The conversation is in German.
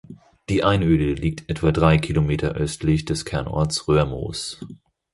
Die Einöde liegt etwa drei Kilometer östlich des Kernortes Röhrmoos.